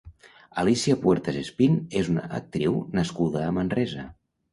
Alícia Puertas Espín és una actriu nascuda a Manresa.